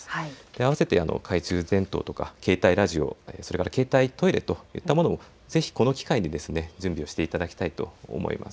あわせて懐中電灯とか携帯ラジオそれから携帯トイレといったものも、ぜひこの機会に準備をしていただきたいと思います。